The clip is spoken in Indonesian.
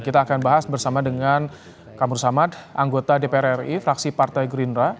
kita akan bahas bersama dengan kabur samad anggota dpr ri fraksi partai gerindra